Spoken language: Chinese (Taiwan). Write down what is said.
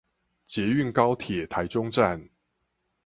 捷運高鐵臺中站